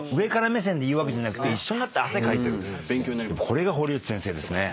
これが堀内先生ですね。